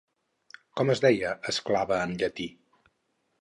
Com es deia esclava en llatí?